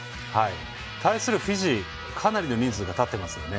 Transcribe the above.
対するフィジー、かなりの人数が立っていますよね。